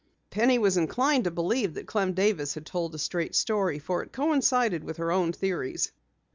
Penny was inclined to believe that Clem Davis had told a straight story for it coincided with her own theories.